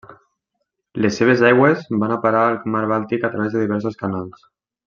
Les seves aigües van a parar al mar Bàltic a través de diversos canals.